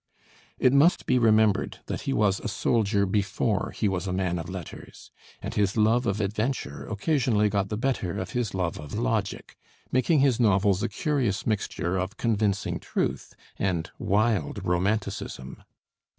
It must be remembered that he was a soldier before he was a man of letters, and his love of adventure occasionally got the better of his love of logic, making his novels a curious mixture of convincing truth and wild romanticism.